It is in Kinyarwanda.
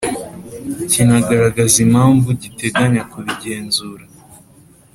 kinagaragaza impamvu giteganya kubigenzura